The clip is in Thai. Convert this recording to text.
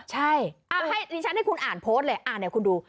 ใช่อ่ะให้ฉันให้คุณอ่านโพสต์เลยอ่านให้คุณดู